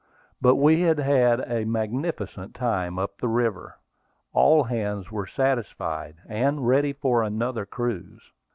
But we had had a magnificent time up the river; all hands were satisfied, and ready for another cruise.